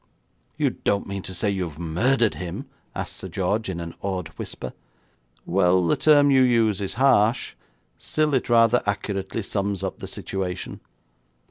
'You don't mean to say you've murdered him?' asked Sir George, in an awed whisper. 'Well, the term you use is harsh, still it rather accurately sums up the situation.